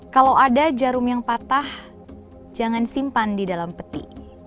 kalau ada jarum yang patah jangan simpan di dalam peti